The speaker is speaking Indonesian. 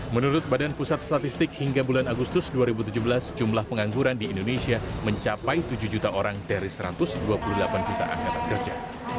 menurut badan pusat statistik hingga bulan agustus dua ribu tujuh belas jumlah pengangguran di indonesia mencapai tujuh juta orang dari satu ratus dua puluh delapan juta angkatan kerja